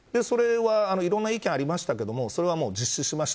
それはいろんな意見がありましたけどそれは実施しました。